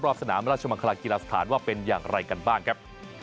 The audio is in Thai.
สนามราชมังคลากีฬาสถานว่าเป็นอย่างไรกันบ้างครับ